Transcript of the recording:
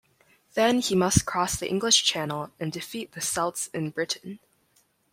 Then, he must cross the English channel and defeat the Celts in Britain.